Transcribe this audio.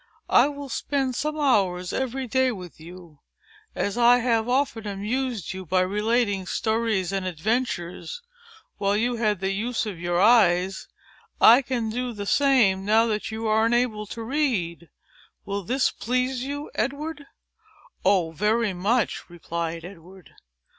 "I will spend some hours of every day with you. And as I have often amused you by relating stories and adventures, while you had the use of your eyes, I can do the same, now that you are unable to read. Will this please you, Edward?" "Oh, very much!" replied Edward.